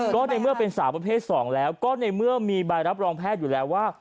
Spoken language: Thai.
ก็ในเมื่อเป็นสาวประเภท๒แล้วก็ในเมื่อมีใบรับรองแพทย์อยู่แล้วว่า